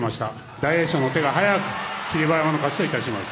大栄翔の手が早く霧馬山の勝ちといたします。